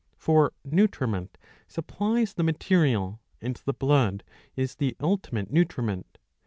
For nutriment supplies the material, and the blood is the ultimate nutriment.